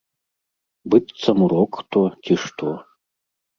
Быццам урок хто, ці што.